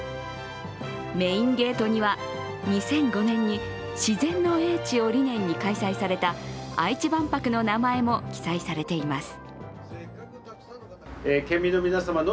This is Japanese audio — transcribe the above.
メインゲートには、２００５年の自然の叡智を理念に開催された愛知万博の名前も記載されています。